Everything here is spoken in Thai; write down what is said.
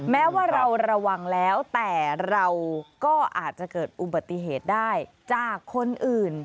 แม้ว่าเราระวังแล้วแต่เราก็อาจจะเกิดอุบัติเหตุได้จากคนอื่น